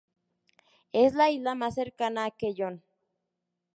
Es la isla más cercana a Quellón.